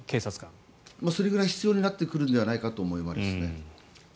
それぐらい必要になってくるんではないかと思いますね。